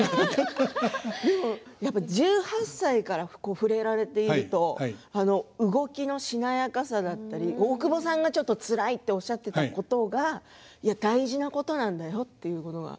でも１８歳から触れられていると動きのしなやかさだったり大久保さんがちょっとつらいとおっしゃっていたことが大事なことなんだよというのが。